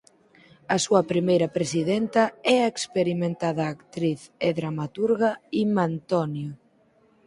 A súa primeira presidenta é a experimentada actriz e dramaturga Inma António.